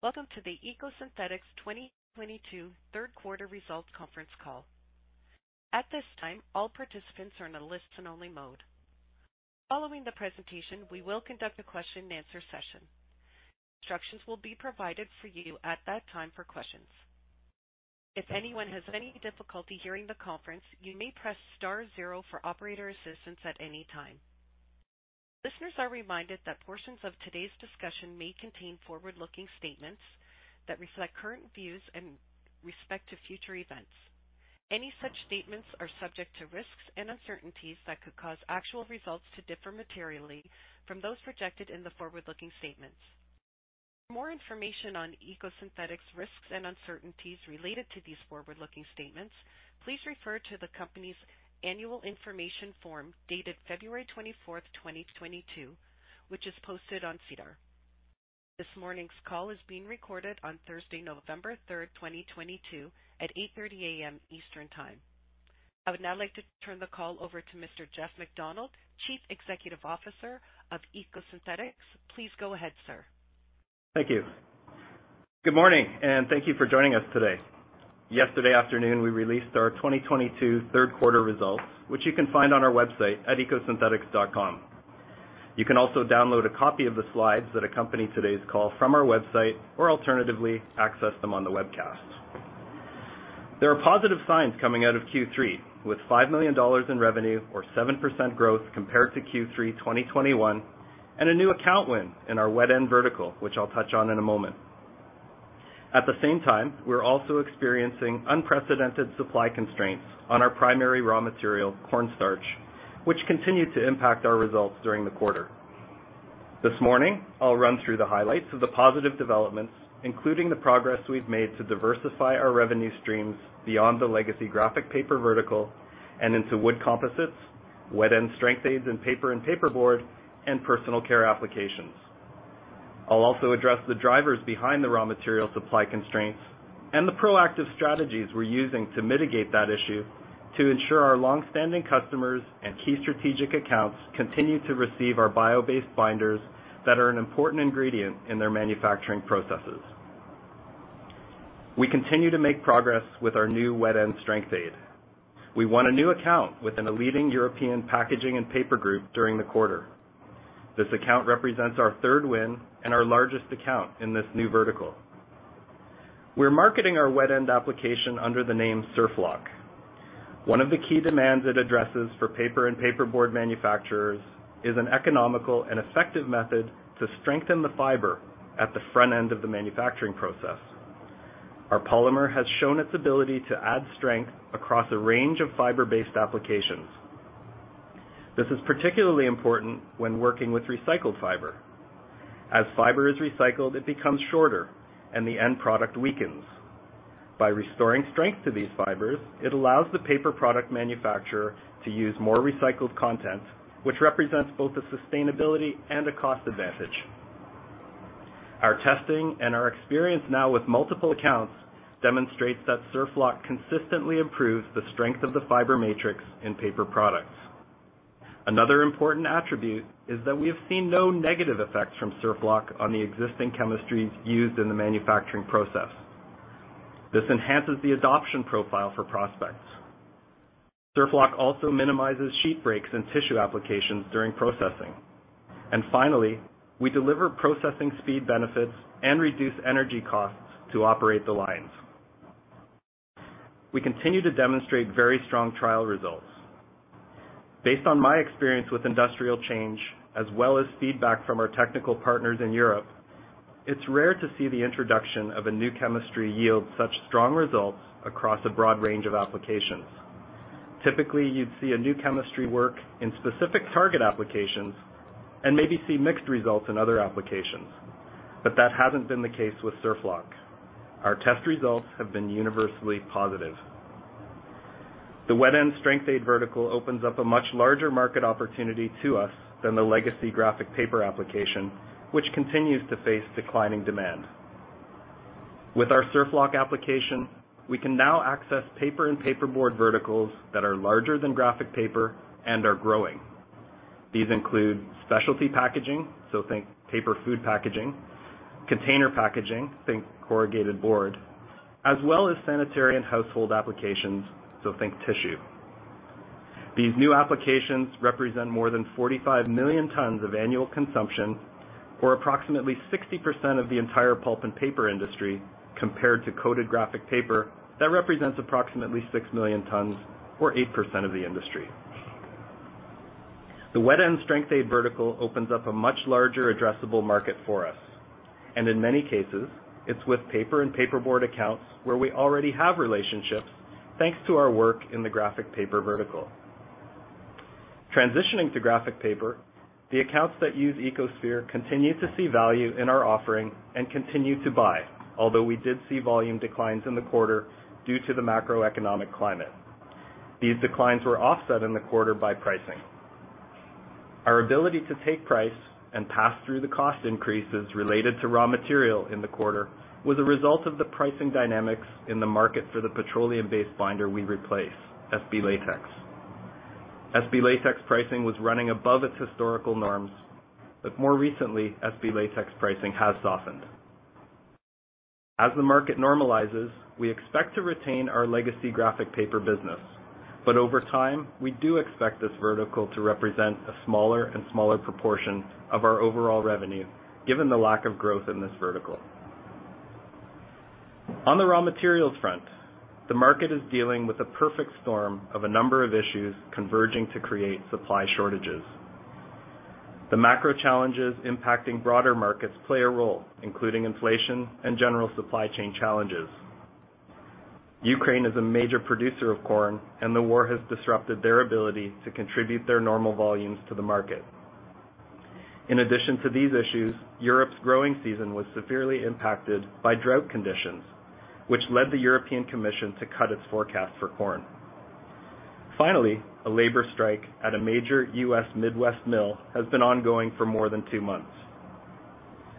Welcome to the EcoSynthetix 2022 third quarter results conference call. At this time, all participants are in a listen only mode. Following the presentation, we will conduct a question and answer session. Instructions will be provided for you at that time for questions. If anyone has any difficulty hearing the conference, you may press star zero for operator assistance at any time. Listeners are reminded that portions of today's discussion may contain forward-looking statements that reflect current views in respect to future events. Any such statements are subject to risks and uncertainties that could cause actual results to differ materially from those projected in the forward-looking statements. For more information on EcoSynthetix risks and uncertainties related to these forward-looking statements, please refer to the company's annual information form dated February 24, 2022, which is posted on SEDAR. This morning's call is being recorded on Thursday, November third, 2022 at 8:30 A.M. Eastern Time. I would now like to turn the call over to Mr. Jeff MacDonald, Chief Executive Officer of EcoSynthetix. Please go ahead, sir. Thank you. Good morning, and thank you for joining us today. Yesterday afternoon, we released our 2022 third quarter results, which you can find on our website at ecosynthetix.com. You can also download a copy of the slides that accompany today's call from our website or alternatively access them on the webcast. There are positive signs coming out of Q3 with CAD 5 million in revenue or 7% growth compared to Q3 2021, and a new account win in our wet end vertical, which I'll touch on in a moment. At the same time, we're also experiencing unprecedented supply constraints on our primary raw material, corn starch, which continued to impact our results during the quarter. This morning, I'll run through the highlights of the positive developments, including the progress we've made to diversify our revenue streams beyond the legacy graphic paper vertical and into wood composites, wet end strength aids in paper and paperboard, and personal care applications. I'll also address the drivers behind the raw material supply constraints and the proactive strategies we're using to mitigate that issue to ensure our long-standing customers and key strategic accounts continue to receive our bio-based binders that are an important ingredient in their manufacturing processes. We continue to make progress with our new wet end strength aid. We won a new account with a leading European packaging and paper group during the quarter. This account represents our third win and our largest account in this new vertical. We're marketing our wet end application under the name SurfLock. One of the key demands it addresses for paper and paper board manufacturers is an economical and effective method to strengthen the fiber at the front end of the manufacturing process. Our polymer has shown its ability to add strength across a range of fiber-based applications. This is particularly important when working with recycled fiber. As fiber is recycled, it becomes shorter and the end product weakens. By restoring strength to these fibers, it allows the paper product manufacturer to use more recycled content, which represents both a sustainability and a cost advantage. Our testing and our experience now with multiple accounts demonstrates that SurfLock consistently improves the strength of the fiber matrix in paper products. Another important attribute is that we have seen no negative effects from SurfLock on the existing chemistries used in the manufacturing process. This enhances the adoption profile for prospects. SurfLock also minimizes sheet breaks and tissue applications during processing. Finally, we deliver processing speed benefits and reduce energy costs to operate the lines. We continue to demonstrate very strong trial results. Based on my experience with industrial change as well as feedback from our technical partners in Europe, it's rare to see the introduction of a new chemistry yield such strong results across a broad range of applications. Typically, you'd see a new chemistry work in specific target applications and maybe see mixed results in other applications. That hasn't been the case with SurfLock. Our test results have been universally positive. The wet end strength aid vertical opens up a much larger market opportunity to us than the legacy graphic paper application, which continues to face declining demand. With our SurfLock application, we can now access paper and paperboard verticals that are larger than graphic paper and are growing. These include specialty packaging, so think paper food packaging, container packaging, think corrugated board, as well as sanitary and household applications, so think tissue. These new applications represent more than 45 million tons of annual consumption or approximately 60% of the entire pulp and paper industry, compared to coated graphic paper that represents approximately 6 million tons or 8% of the industry. The wet end strength aid vertical opens up a much larger addressable market for us. In many cases, it's with paper and paperboard accounts where we already have relationships, thanks to our work in the graphic paper vertical. Transitioning to graphic paper, the accounts that use EcoSphere continue to see value in our offering and continue to buy, although we did see volume declines in the quarter due to the macroeconomic climate. These declines were offset in the quarter by pricing. Our ability to take price and pass through the cost increases related to raw material in the quarter was a result of the pricing dynamics in the market for the petroleum-based binder we replace, SB Latex. SB Latex pricing was running above its historical norms, but more recently, SB Latex pricing has softened. As the market normalizes, we expect to retain our legacy graphic paper business. Over time, we do expect this vertical to represent a smaller and smaller proportion of our overall revenue, given the lack of growth in this vertical. On the raw materials front, the market is dealing with a perfect storm of a number of issues converging to create supply shortages. The macro challenges impacting broader markets play a role, including inflation and general supply chain challenges. Ukraine is a major producer of corn, and the war has disrupted their ability to contribute their normal volumes to the market. In addition to these issues, Europe's growing season was severely impacted by drought conditions, which led the European Commission to cut its forecast for corn. Finally, a labor strike at a major U.S. Midwest mill has been ongoing for more than two months.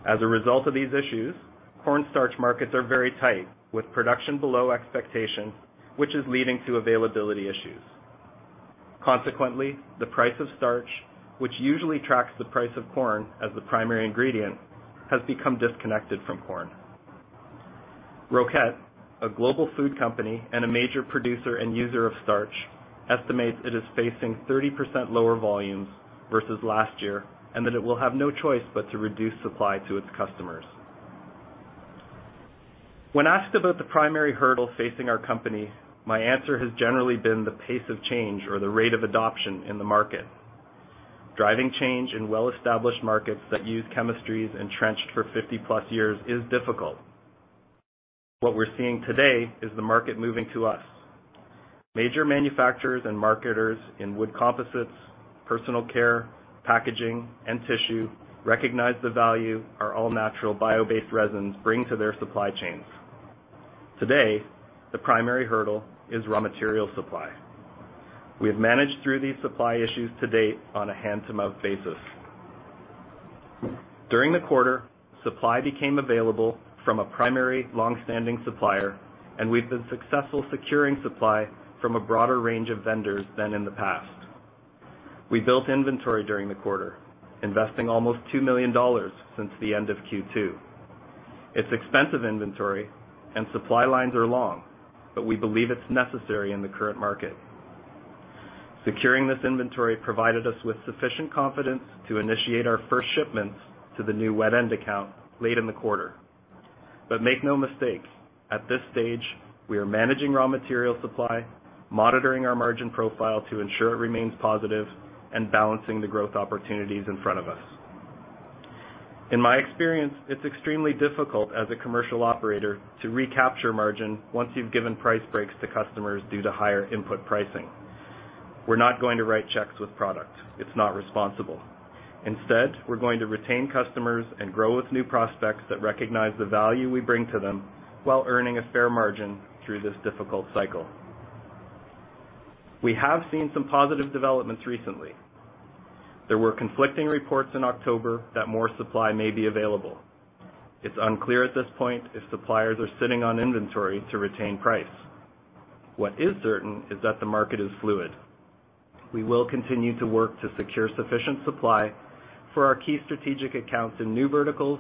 As a result of these issues, corn starch markets are very tight, with production below expectations, which is leading to availability issues. Consequently, the price of starch, which usually tracks the price of corn as the primary ingredient, has become disconnected from corn. Roquette, a global food company and a major producer and user of starch, estimates it is facing 30% lower volumes versus last year, and that it will have no choice but to reduce supply to its customers. When asked about the primary hurdle facing our company, my answer has generally been the pace of change or the rate of adoption in the market. Driving change in well-established markets that use chemistries entrenched for 50+ years is difficult. What we're seeing today is the market moving to us. Major manufacturers and marketers in wood composites, personal care, packaging, and tissue recognize the value our all-natural bio-based resins bring to their supply chains. Today, the primary hurdle is raw material supply. We have managed through these supply issues to date on a hand-to-mouth basis. During the quarter, supply became available from a primary long-standing supplier, and we've been successful securing supply from a broader range of vendors than in the past. We built inventory during the quarter, investing almost 2 million dollars since the end of Q2. It's expensive inventory and supply lines are long, but we believe it's necessary in the current market. Securing this inventory provided us with sufficient confidence to initiate our first shipments to the new wet end account late in the quarter. Make no mistake, at this stage, we are managing raw material supply, monitoring our margin profile to ensure it remains positive, and balancing the growth opportunities in front of us. In my experience, it's extremely difficult as a commercial operator to recapture margin once you've given price breaks to customers due to higher input pricing. We're not going to write checks with product. It's not responsible. Instead, we're going to retain customers and grow with new prospects that recognize the value we bring to them while earning a fair margin through this difficult cycle. We have seen some positive developments recently. There were conflicting reports in October that more supply may be available. It's unclear at this point if suppliers are sitting on inventory to retain price. What is certain is that the market is fluid. We will continue to work to secure sufficient supply for our key strategic accounts in new verticals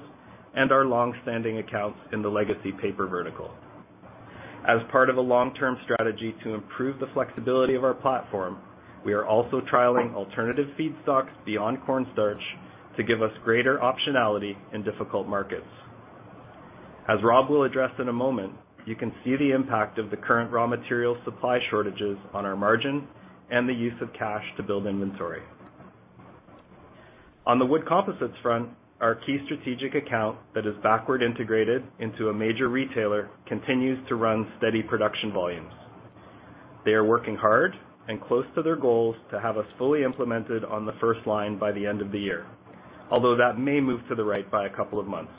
and our long-standing accounts in the legacy paper vertical. As part of a long-term strategy to improve the flexibility of our platform, we are also trialing alternative feedstocks beyond corn starch to give us greater optionality in difficult markets. As Rob will address in a moment, you can see the impact of the current raw material supply shortages on our margin and the use of cash to build inventory. On the wood composites front, our key strategic account that is backward integrated into a major retailer continues to run steady production volumes. They are working hard and close to their goals to have us fully implemented on the first line by the end of the year, although that may move to the right by a couple of months.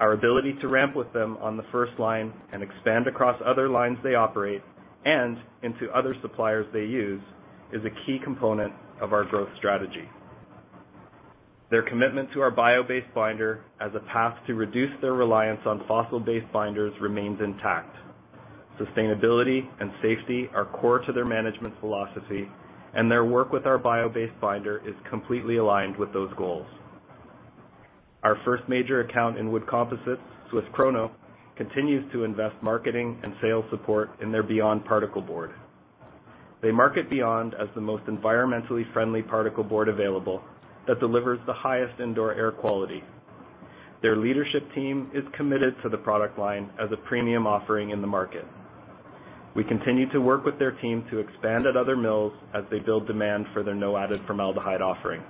Our ability to ramp with them on the first line and expand across other lines they operate and into other suppliers they use is a key component of our growth strategy. Their commitment to our bio-based binder as a path to reduce their reliance on fossil-based binders remains intact. Sustainability and safety are core to their management philosophy, and their work with our bio-based binder is completely aligned with those goals. Our first major account in wood composites, SWISS KRONO, continues to invest marketing and sales support in their BE.YOND Particle Board. They market BE.YOND as the most environmentally friendly particle board available that delivers the highest indoor air quality. Their leadership team is committed to the product line as a premium offering in the market. We continue to work with their team to expand at other mills as they build demand for their no added formaldehyde offering.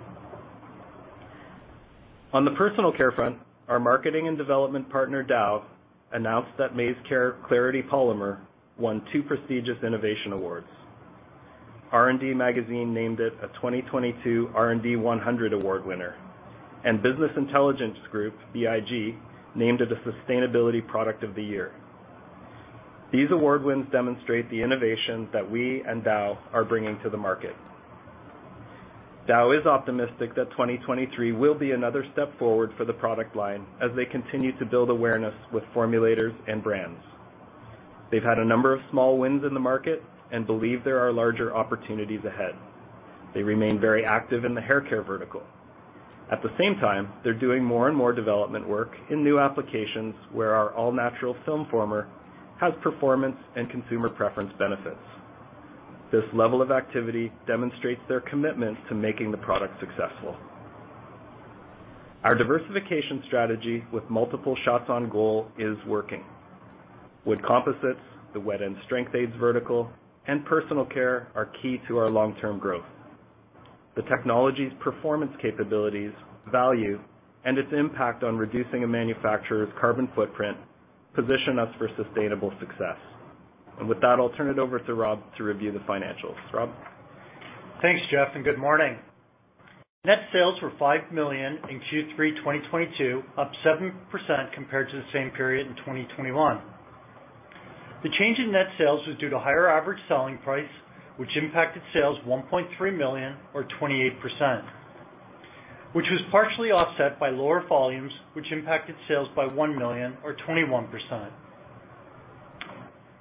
On the personal care front, our marketing and development partner, Dow, announced that MaizeCare Clarity Polymer won two prestigious innovation awards. R&D World named it a 2022 R&D 100 Award winner, and Business Intelligence Group, BIG, named it the Sustainability Product of the Year. These award wins demonstrate the innovation that we and Dow are bringing to the market. Dow is optimistic that 2023 will be another step forward for the product line as they continue to build awareness with formulators and brands. They've had a number of small wins in the market and believe there are larger opportunities ahead. They remain very active in the haircare vertical. At the same time, they're doing more and more development work in new applications where our all-natural film former has performance and consumer preference benefits. This level of activity demonstrates their commitment to making the product successful. Our diversification strategy with multiple shots on goal is working. Wood composites, the wet end strength aids vertical, and personal care are key to our long-term growth. The technology's performance capabilities, value, and its impact on reducing a manufacturer's carbon footprint position us for sustainable success. With that, I'll turn it over to Rob to review the financials. Rob? Thanks, Jeff, and good morning. Net sales were 5 million in Q3 2022, up 7% compared to the same period in 2021. The change in net sales was due to higher average selling price, which impacted sales 1.3 million or 28%, which was partially offset by lower volumes, which impacted sales by 1 million or 21%.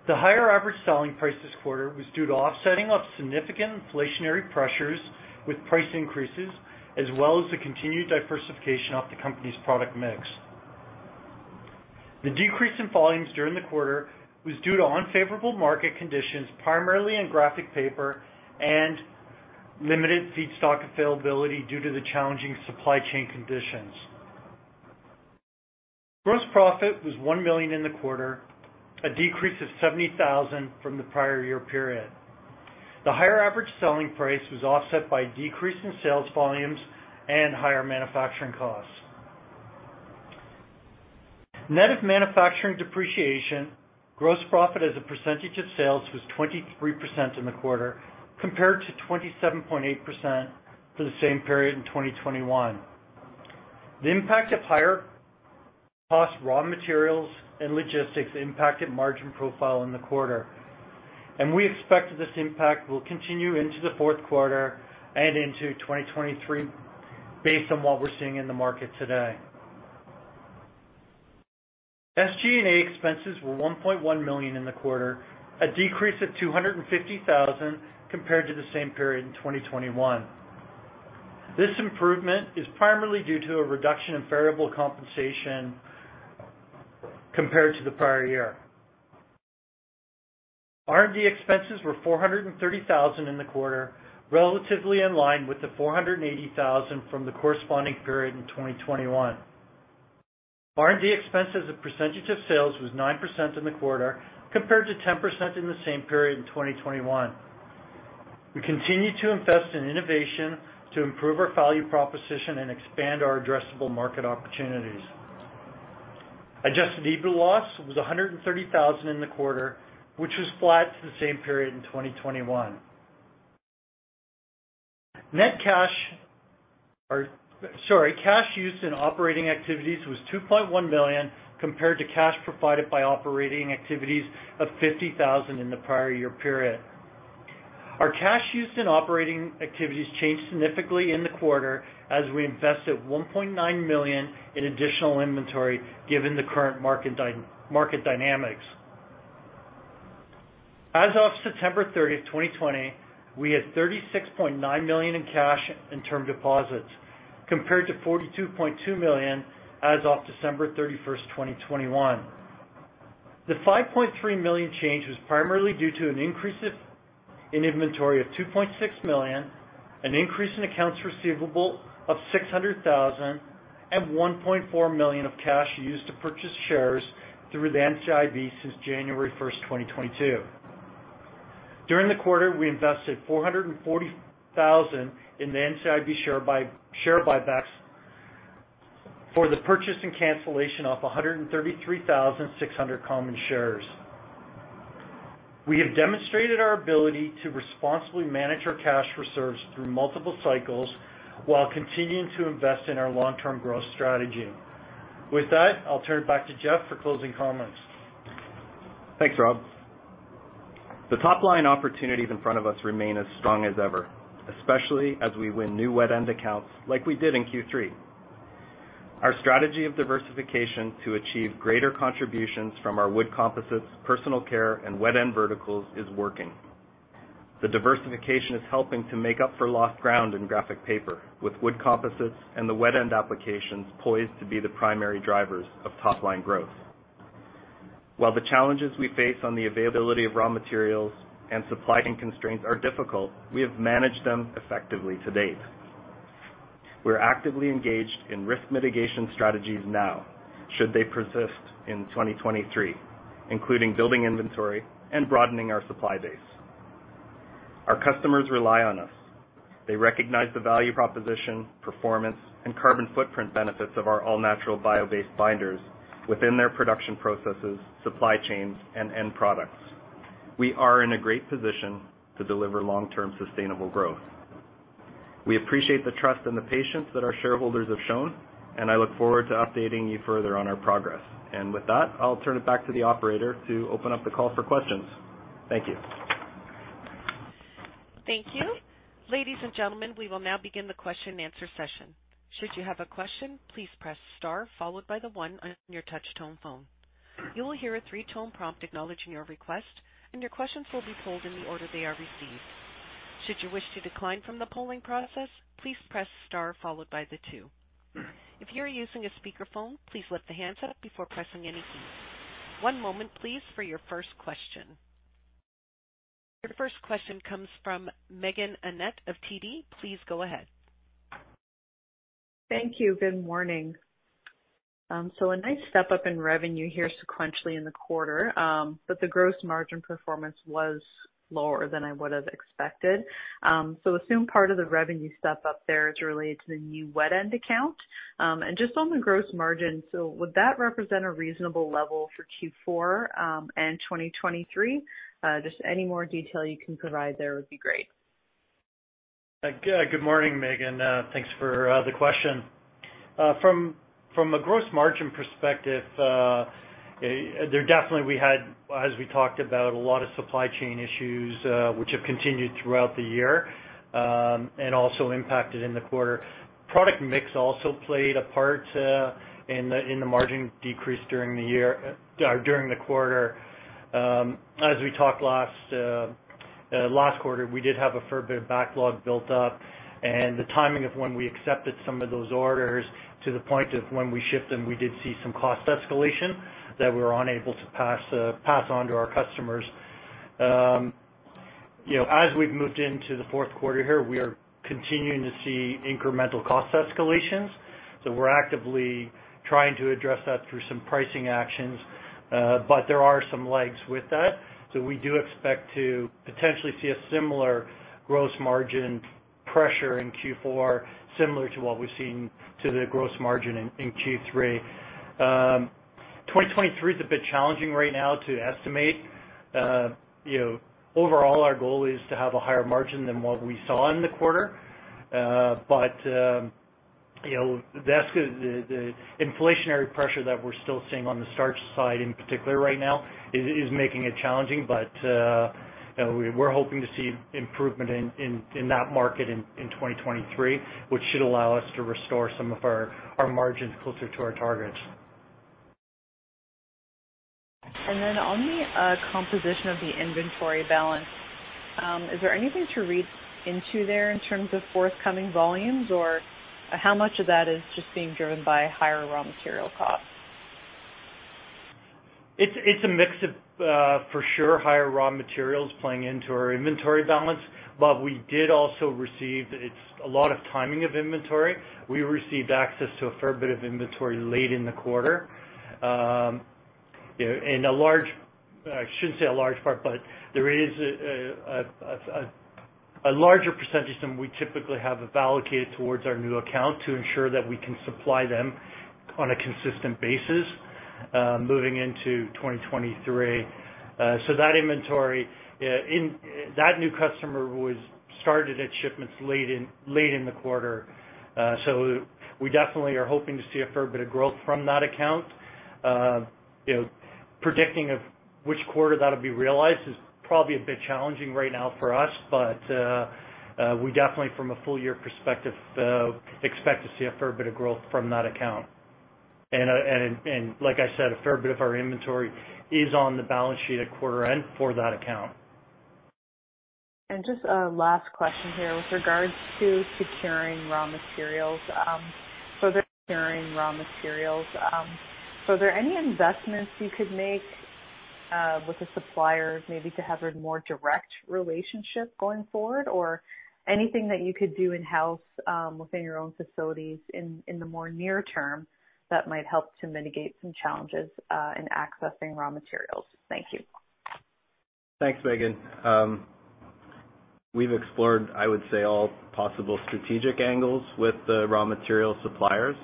The higher average selling price this quarter was due to offsetting of significant inflationary pressures with price increases, as well as the continued diversification of the company's product mix. The decrease in volumes during the quarter was due to unfavorable market conditions, primarily in graphic paper and limited feedstock availability due to the challenging supply chain conditions. Gross profit was 1 million in the quarter, a decrease of 70,000 from the prior year period. The higher average selling price was offset by decrease in sales volumes and higher manufacturing costs. Net of manufacturing depreciation, gross profit as a percentage of sales was 23% in the quarter, compared to 27.8% for the same period in 2021. The impact of higher cost raw materials and logistics impacted margin profile in the quarter. We expect this impact will continue into the fourth quarter and into 2023 based on what we're seeing in the market today. SG&A expenses were 1.1 million in the quarter, a decrease of 250 thousand compared to the same period in 2021. This improvement is primarily due to a reduction in variable compensation compared to the prior year. R&D expenses were 430 thousand in the quarter, relatively in line with the 480 thousand from the corresponding period in 2021. R&D expense as a percentage of sales was 9% in the quarter, compared to 10% in the same period in 2021. We continue to invest in innovation to improve our value proposition and expand our addressable market opportunities. Adjusted EBITDA loss was 130 thousand in the quarter, which was flat to the same period in 2021. Cash used in operating activities was 2.1 million, compared to cash provided by operating activities of 50 thousand in the prior year period. Our cash used in operating activities changed significantly in the quarter as we invested 1.9 million in additional inventory given the current market dynamics. As of September thirtieth, 2020, we had 36.9 million in cash and term deposits, compared to 42.2 million as of December thirty-first, 2021. The 5.3 million change was primarily due to an increase in inventory of 2.6 million, an increase in accounts receivable of 600,000, and 1.4 million of cash used to purchase shares through the NCIB since January first, 2022. During the quarter, we invested 440,000 in the NCIB share buybacks for the purchase and cancellation of 133,600 common shares. We have demonstrated our ability to responsibly manage our cash reserves through multiple cycles while continuing to invest in our long-term growth strategy. With that, I'll turn it back to Jeff for closing comments. Thanks, Rob. The top-line opportunities in front of us remain as strong as ever, especially as we win new wet end accounts like we did in Q3. Our strategy of diversification to achieve greater contributions from our wood composites, personal care, and wet end verticals is working. The diversification is helping to make up for lost ground in graphic paper, with wood composites and the wet end applications poised to be the primary drivers of top-line growth. While the challenges we face on the availability of raw materials and supplying constraints are difficult, we have managed them effectively to date. We're actively engaged in risk mitigation strategies now, should they persist in 2023, including building inventory and broadening our supply base. Our customers rely on us. They recognize the value proposition, performance, and carbon footprint benefits of our all-natural bio-based binders within their production processes, supply chains, and end products. We are in a great position to deliver long-term sustainable growth. We appreciate the trust and the patience that our shareholders have shown, and I look forward to updating you further on our progress. With that, I'll turn it back to the operator to open up the call for questions. Thank you. Thank you. Ladies and gentlemen, we will now begin the question and answer session. Should you have a question, please press star followed by the one on your touch-tone phone. You will hear a three-tone prompt acknowledging your request, and your questions will be pulled in the order they are received. Should you wish to decline from the polling process, please press star followed by the two. If you are using a speakerphone, please lift the handset up before pressing any key. One moment please for your first question. Your first question comes from Meaghen Annett of TD. Please go ahead. Thank you. Good morning. A nice step-up in revenue here sequentially in the quarter, but the gross margin performance was lower than I would have expected. Assume part of the revenue step-up there is related to the new wet end account. Just on the gross margin, so would that represent a reasonable level for Q4 and 2023? Just any more detail you can provide there would be great. Good morning, Megan. Thanks for the question. From a gross margin perspective, we definitely had, as we talked about, a lot of supply chain issues, which have continued throughout the year, and also impacted the quarter. Product mix also played a part in the margin decrease during the quarter. As we talked last quarter, we did have a fair bit of backlog built up and the timing of when we accepted some of those orders to the point of when we shipped them, we did see some cost escalation that we were unable to pass on to our customers. You know, as we've moved into the fourth quarter here, we are continuing to see incremental cost escalations. We're actively trying to address that through some pricing actions, but there are some lags with that. We do expect to potentially see a similar gross margin pressure in Q4, similar to what we've seen in the gross margin in Q3. 2023 is a bit challenging right now to estimate. You know, overall our goal is to have a higher margin than what we saw in the quarter. You know, that's the inflationary pressure that we're still seeing on the starch side in particular right now is making it challenging. You know, we're hoping to see improvement in that market in 2023, which should allow us to restore some of our margins closer to our targets. On the composition of the inventory balance, is there anything to read into there in terms of forthcoming volumes? Or how much of that is just being driven by higher raw material costs? It's a mix of, for sure, higher raw materials playing into our inventory balance. We did also receive. It's a lot of timing of inventory. We received access to a fair bit of inventory late in the quarter. In a large, I shouldn't say a large part, but there is a larger percentage than we typically have allocated towards our new account to ensure that we can supply them on a consistent basis, moving into 2023. That inventory in that new customer was started at shipments late in the quarter. We definitely are hoping to see a fair bit of growth from that account. Predicting of which quarter that'll be realized is probably a bit challenging right now for us. We definitely from a full year perspective expect to see a fair bit of growth from that account. Like I said, a fair bit of our inventory is on the balance sheet at quarter end for that account. Just a last question here with regards to securing raw materials. So the securing raw materials, so are there any investments you could make with the suppliers maybe to have a more direct relationship going forward? Or anything that you could do in-house within your own facilities in the more near term that might help to mitigate some challenges in accessing raw materials? Thank you. Thanks, Megan. We've explored, I would say, all possible strategic angles with the raw material suppliers.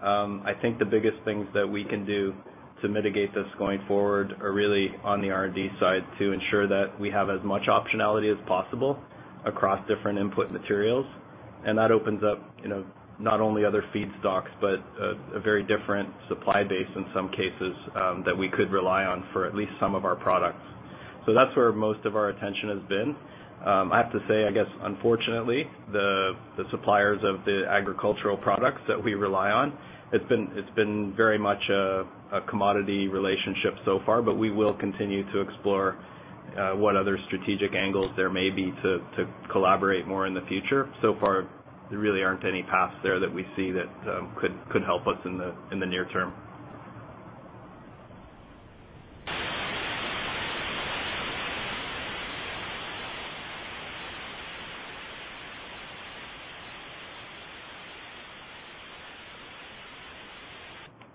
I think the biggest things that we can do to mitigate this going forward are really on the R&D side to ensure that we have as much optionality as possible across different input materials. That opens up, you know, not only other feedstocks, but a very different supply base in some cases, that we could rely on for at least some of our products. That's where most of our attention has been. I have to say, I guess, unfortunately, the suppliers of the agricultural products that we rely on, it's been very much a commodity relationship so far. We will continue to explore what other strategic angles there may be to collaborate more in the future. So far, there really aren't any paths there that we see that could help us in the near term.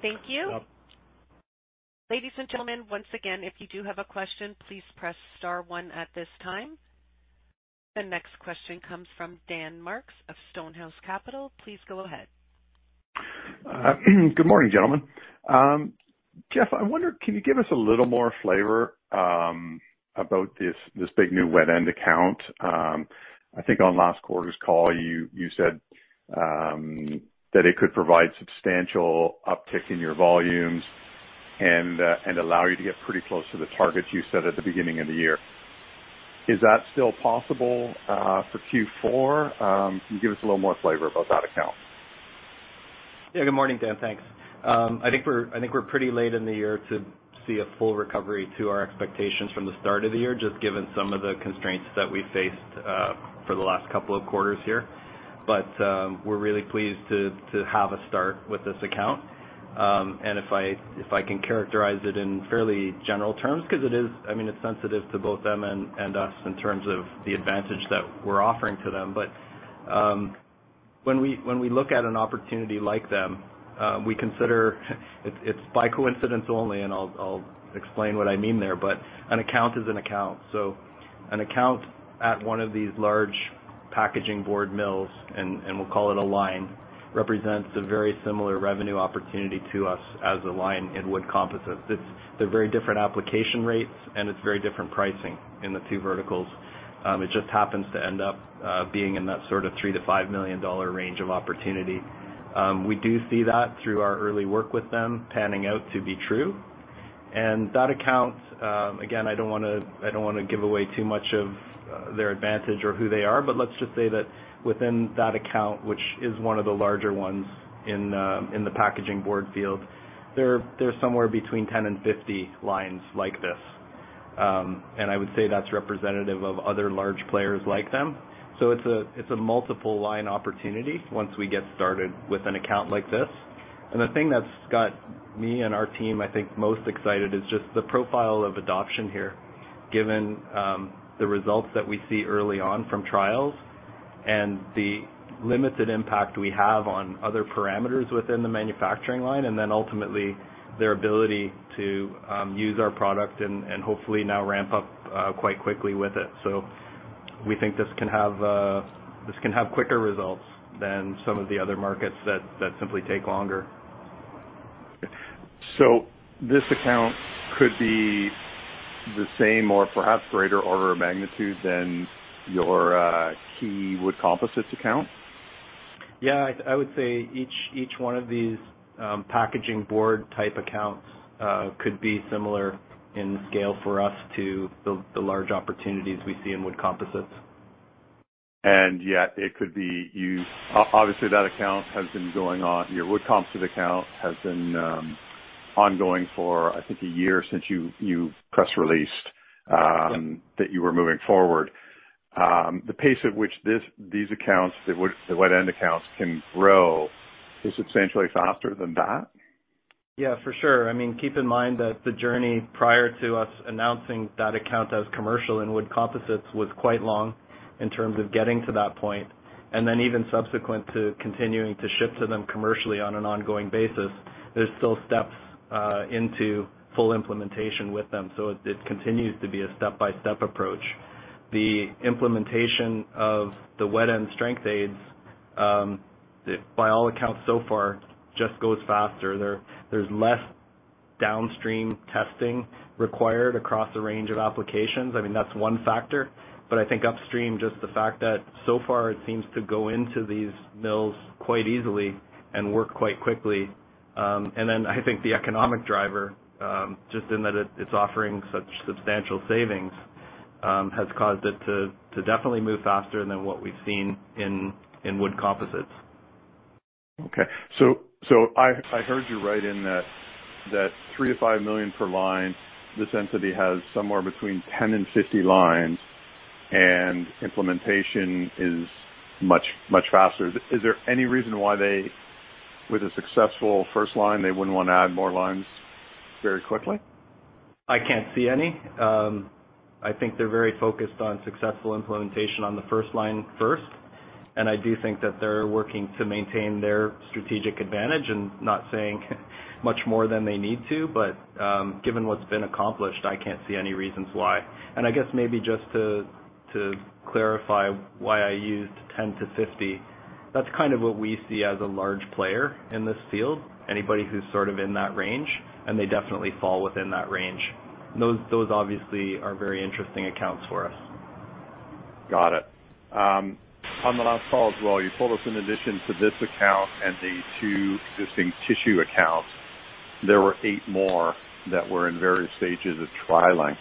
Thank you. Yep. Ladies and gentlemen, once again, if you do have a question, please press star one at this time. The next question comes from Dan Marks of Stonehouse Capital. Please go ahead. Good morning, gentlemen. Jeff, I wonder, can you give us a little more flavor about this big new wet end account? I think on last quarter's call, you said that it could provide substantial uptick in your volumes and allow you to get pretty close to the targets you set at the beginning of the year. Is that still possible for Q4? Can you give us a little more flavor about that account? Yeah. Good morning, Dan. Thanks. I think we're pretty late in the year to see a full recovery to our expectations from the start of the year, just given some of the constraints that we faced for the last couple of quarters here. We're really pleased to have a start with this account. If I can characterize it in fairly general terms, 'cause it is, I mean, it's sensitive to both them and us in terms of the advantage that we're offering to them. When we look at an opportunity like them, we consider it's by coincidence only, and I'll explain what I mean there, but an account is an account. An account at one of these large packaging board mills, and we'll call it a line, represents a very similar revenue opportunity to us as a line in wood composites. It's very different application rates, and it's very different pricing in the two verticals. It just happens to end up being in that sort of 3-5 million dollar range of opportunity. We do see that through our early work with them panning out to be true. That account, again, I don't wanna give away too much of their advantage or who they are, but let's just say that within that account, which is one of the larger ones in the packaging board field, there's somewhere between 10 and 50 lines like this. I would say that's representative of other large players like them. It's a multiple line opportunity once we get started with an account like this. The thing that's got me and our team, I think, most excited is just the profile of adoption here, given the results that we see early on from trials and the limited impact we have on other parameters within the manufacturing line, and then ultimately their ability to use our product and hopefully now ramp up quite quickly with it. We think this can have quicker results than some of the other markets that simply take longer. This account could be the same or perhaps greater order of magnitude than your key wood composites account? Yeah. I would say each one of these packaging board type accounts could be similar in scale for us to the large opportunities we see in wood composites. Yet it could be you. Obviously, that account, your wood composite account, has been ongoing for, I think, a year since you've press released that you were moving forward. The pace at which this, these accounts, the wood, the wet end accounts can grow is substantially faster than that? Yeah, for sure. I mean, keep in mind that the journey prior to us announcing that account as commercial in wood composites was quite long in terms of getting to that point, and then even subsequent to continuing to ship to them commercially on an ongoing basis, there's still steps into full implementation with them. It continues to be a step-by-step approach. The implementation of the wet end strength aids by all accounts so far just goes faster. There's less downstream testing required across a range of applications. I mean, that's one factor. I think upstream, just the fact that so far it seems to go into these mills quite easily and work quite quickly. I think the economic driver, just in that it's offering such substantial savings, has caused it to definitely move faster than what we've seen in wood composites. Okay. I heard you right in that 3 million-5 million per line, this entity has somewhere between 10 and 50 lines, and implementation is much faster. Is there any reason why they, with a successful first line, they wouldn't wanna add more lines very quickly? I can't see any. I think they're very focused on successful implementation on the first line first, and I do think that they're working to maintain their strategic advantage and not saying much more than they need to. Given what's been accomplished, I can't see any reasons why. I guess maybe just to clarify why I used 10-50, that's kind of what we see as a large player in this field. Anybody who's sort of in that range, and they definitely fall within that range. Those obviously are very interesting accounts for us. Got it. On the last call as well, you told us in addition to this account and the two existing tissue accounts, there were eight more that were in various stages of trialing.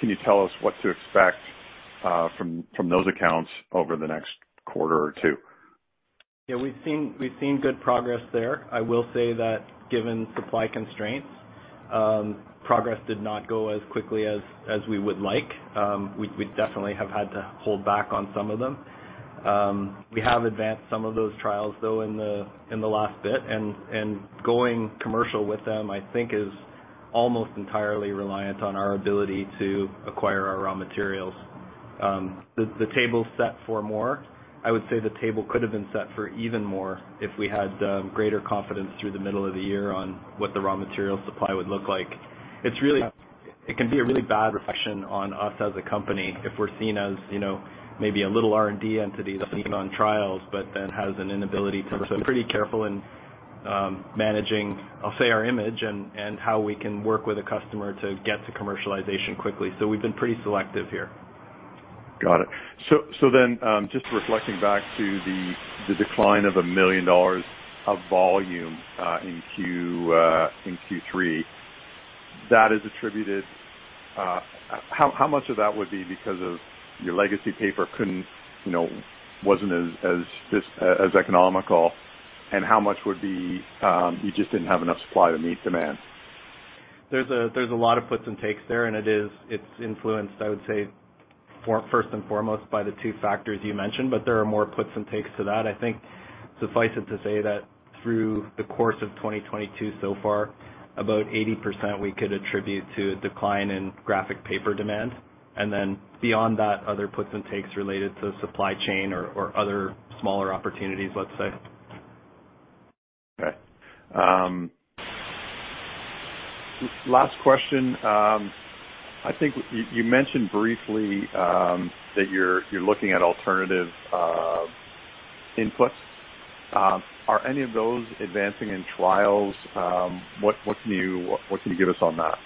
Can you tell us what to expect from those accounts over the next quarter or two? Yeah, we've seen good progress there. I will say that given supply constraints, progress did not go as quickly as we would like. We definitely have had to hold back on some of them. We have advanced some of those trials, though, in the last bit. Going commercial with them, I think is almost entirely reliant on our ability to acquire our raw materials. The table's set for more. I would say the table could have been set for even more if we had greater confidence through the middle of the year on what the raw material supply would look like. It can be a really bad reflection on us as a company if we're seen as, you know, maybe a little R&D entity that's seen on trials, but then has an inability to. We're pretty careful in, managing, I'll say, our image and how we can work with a customer to get to commercialization quickly. We've been pretty selective here. Got it. Just reflecting back to the decline of 1 million dollars of volume in Q3, that is attributed. How much of that would be because of your legacy paper, you know, wasn't as just as economical? How much would be you just didn't have enough supply to meet demand? There's a lot of puts and takes there, and it's influenced, I would say, first and foremost by the two factors you mentioned, but there are more puts and takes to that. I think suffice it to say that through the course of 2022 so far, about 80% we could attribute to a decline in graphic paper demand. Then beyond that, other puts and takes related to supply chain or other smaller opportunities, let's say. Okay. Last question. I think you mentioned briefly that you're looking at alternative inputs. Are any of those advancing in trials? What can you give us on that?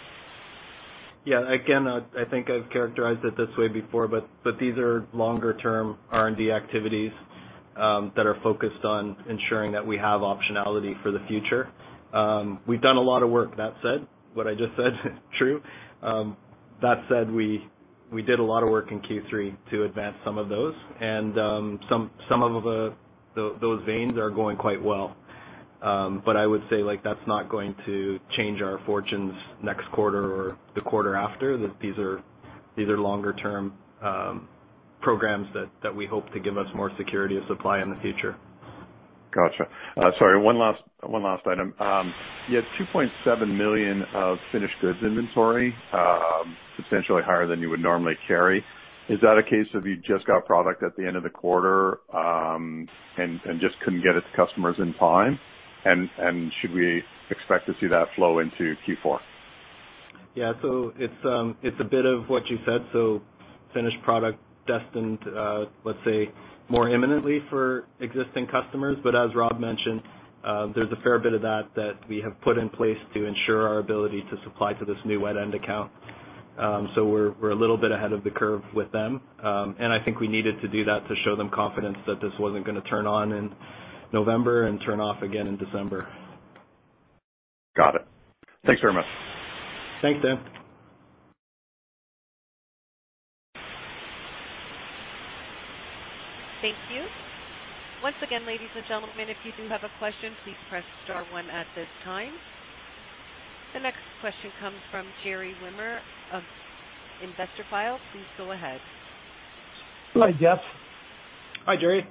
Yeah. Again, I think I've characterized it this way before, but these are longer term R&D activities that are focused on ensuring that we have optionality for the future. We've done a lot of work, that said. What I just said is true. That said, we did a lot of work in Q3 to advance some of those. Some of those wins are going quite well. But I would say, like, that's not going to change our fortunes next quarter or the quarter after. These are longer term programs that we hope to give us more security of supply in the future. Gotcha. Sorry, one last item. You had 2.7 million of finished goods inventory, substantially higher than you would normally carry. Is that a case of you just got product at the end of the quarter, and just couldn't get it to customers in time? Should we expect to see that flow into Q4? Yeah. It's a bit of what you said. Finished product destined, let's say more imminently for existing customers. As Rob mentioned, there's a fair bit of that we have put in place to ensure our ability to supply to this new wet end account. We're a little bit ahead of the curve with them. I think we needed to do that to show them confidence that this wasn't gonna turn on in November and turn off again in December. Got it. Thanks very much. Thanks, Dan. Thank you. Once again, ladies and gentlemen, if you do have a question, please press star one at this time. The next question comes from Gerry Wimmer of Investor File. Please go ahead. Hi, Jeff. Hi, Jerry.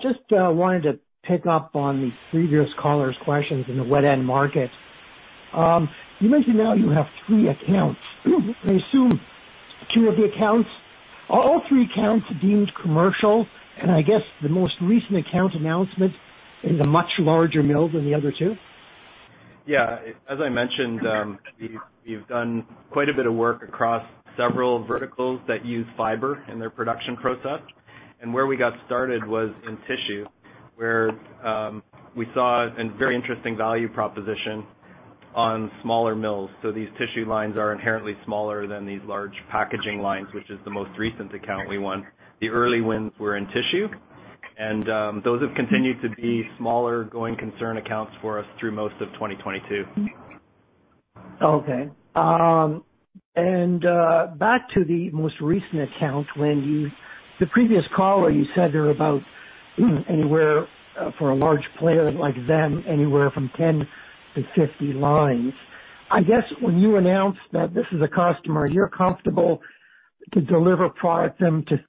Just wanted to pick up on the previous caller's questions in the wet end market. You mentioned now you have three accounts. I assume two of the accounts. Are all three accounts deemed commercial? I guess the most recent account announcement is a much larger mill than the other two. Yeah. As I mentioned, we've done quite a bit of work across several verticals that use fiber in their production process. Where we got started was in tissue, where we saw a very interesting value proposition on smaller mills. These tissue lines are inherently smaller than these large packaging lines, which is the most recent account we won. The early wins were in tissue, and those have continued to be smaller going concern accounts for us through most of 2022. Okay. Back to the most recent account, the previous caller, you said they're about anywhere for a large player like them, anywhere from 10 to 50 lines. I guess when you announced that this is a customer, you're comfortable to deliver product them to